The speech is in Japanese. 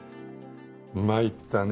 参ったね。